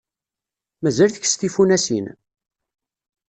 Mazal tkess tifunasin?